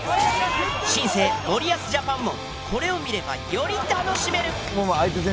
新生森保ジャパンもこれを見ればより楽しめる！